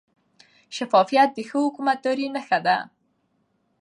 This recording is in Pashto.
شفافیت د ښه حکومتدارۍ نښه ده.